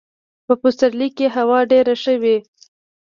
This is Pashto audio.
په پسرلي کي هوا ډېره ښه وي .